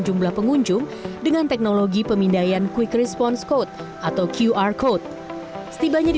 jumlah pengunjung dengan teknologi pemindaian quick response code atau qr code setibanya di